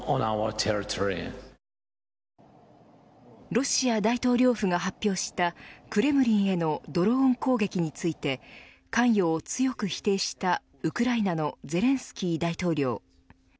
ロシア大統領府が発表したクレムリンへのドローン攻撃について関与を強く否定したウクライナのゼレンスキー大統領。